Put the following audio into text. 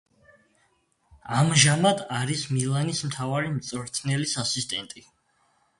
ამჟამად არის მილანის მთავარი მწვრთნელის ასისტენტი.